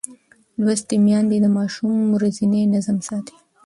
لوستې میندې د ماشوم ورځنی نظم ساتي.